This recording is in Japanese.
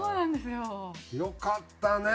よかったね！